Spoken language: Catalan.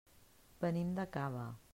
Venim de Cava.